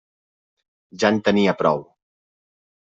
Ja en tenia prou.